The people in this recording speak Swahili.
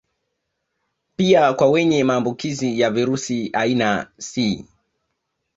Pia kwa wenye maambukizi ya virusi aina C